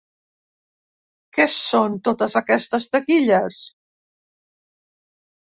Què són, totes aquestes taquilles?